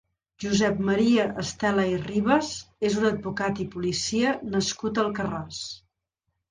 Josep Maria Estela i Ribes és un advocat i policia nascut a Alcarràs.